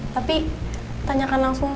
tapi tanyakan langsung